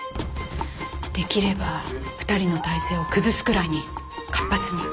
できれば２人の体制を崩すくらいに活発に。